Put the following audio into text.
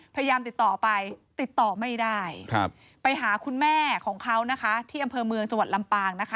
พยายามติดต่อไปติดต่อไม่ได้ไปหาคุณแม่ของเขานะคะที่อำเภอเมืองจังหวัดลำปางนะคะ